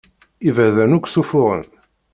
Iberdan akk sufuɣen.